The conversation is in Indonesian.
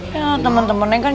ya temen temen neng kan